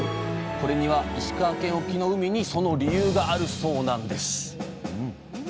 これには石川県沖の海にその理由があるそうなんです！